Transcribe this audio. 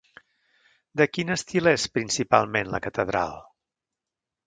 De quin estil és principalment la catedral?